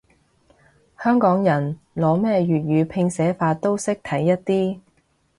香港人，攞咩粵語拼寫法都識睇一啲